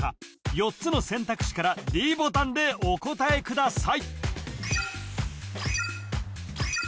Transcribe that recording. ４つの選択肢からｄボタンでお答えください